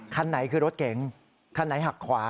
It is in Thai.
คันไหนคือรถเก๋งคันไหนหักขวา